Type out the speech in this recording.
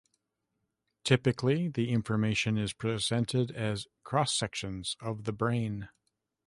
Typically the information is presented as cross sections of the brain.